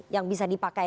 yang bisa dipakai